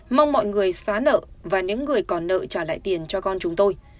mong mọi người xóa nợ và những người còn nợ trả lại tiền cho con chúng tôi